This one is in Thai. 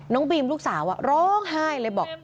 น้องบีมลูกสาวว่าร้องไห้เลยบอก